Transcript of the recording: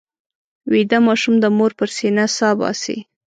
ویده ماشوم د مور پر سینه سا باسي